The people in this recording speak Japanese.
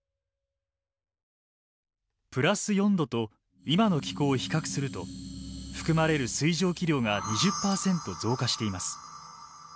プラス４℃と今の気候を比較すると含まれる水蒸気量が２０％増加しています。